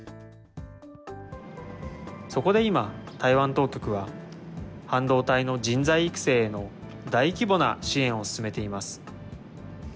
そこで今、台湾当局は、半導体の人材育成への大規模な支援を進めています。